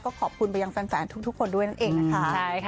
ขอบคุณไปยังแฟนทุกคนด้วยนั่นเองนะคะ